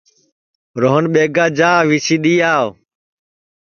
روہن ٻیگا جا وی سی دؔی آو